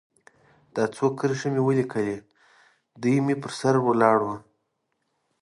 دا څو کرښې مې ولیکلې، دی مې پر سر ولاړ و.